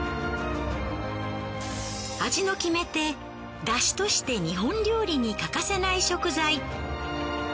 味の決め手出汁として日本料理に欠かせない食材。